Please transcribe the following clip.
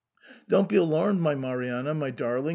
Don't be alarmed, my Marianna, my darling